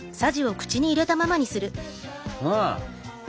うん！